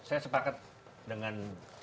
saya sepakat dengan